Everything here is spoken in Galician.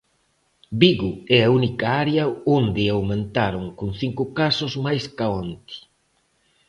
Vigo é a única área onde aumentaron, con cinco casos máis ca onte.